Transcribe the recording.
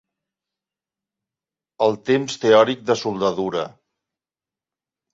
El temps teòric de soldadura.